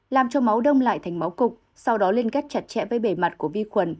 làm cho máu đông lại thành máu cục sau đó liên kết chặt chẽ với bề mặt của vi khuẩn